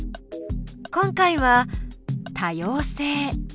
今回は「多様性」。